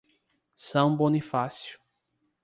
São Bonifácio